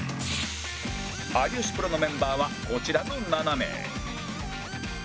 有吉プロのメンバーはこちらの７名